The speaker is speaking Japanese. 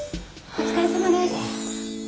お疲れさまです。